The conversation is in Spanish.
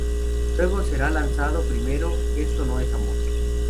Luego será lanzado primero "Esto no es Amor...".